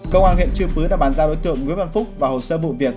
công an huyện trừ pứ đã bán ra đối tượng nguyễn văn phúc và hồ sơ bụi việc